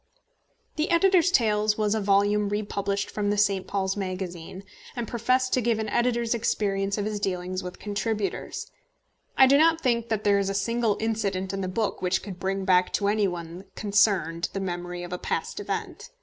The Editor's Tales was a volume republished from the St. Paul's Magazine, and professed to give an editor's experience of his dealings with contributors. I do not think that there is a single incident in the book which could bring back to any one concerned the memory of a past event.